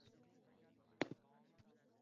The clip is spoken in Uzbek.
Nonkoʼrlarning tomogʼini yirtgan faryod